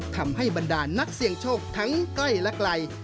บรรดานนักเสี่ยงโชคทั้งใกล้และไกล